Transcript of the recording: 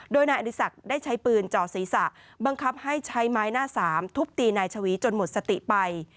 โดยนายอดีศักดิ์ได้ใช้ปืนจ่อศีรษะบังคับให้ใช้ไม้หน้าสามทุบตีนายชวีจนหมดสติไป